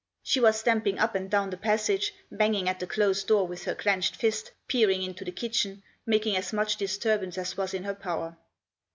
She was stamping up and down the passage, banging at the closed door with her clenched fist, peering into the kitchen, making as much disturbance as was in her power.